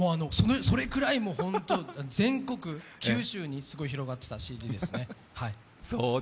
それくらい本当に、全国九州に広がっていたＣＤですね